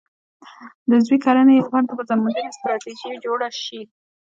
د عضوي کرنې لپاره د بازار موندنې ستراتیژي جوړه شي.